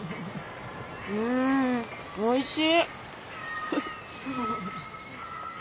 うんおいしい！